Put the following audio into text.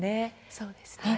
そうですね。